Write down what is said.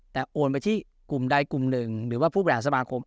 แต่โอนไปที่กลุ่มใดกลุ่มหนึ่งหรือว่าผู้บริหารสมาคม